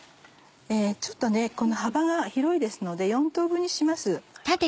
ちょっとこの幅が広いですので４等分にします。